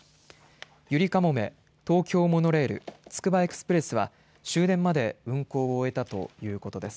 ゆりかもめ、東京モノレールつくばエクスプレスは終電まで運行を終えたということです。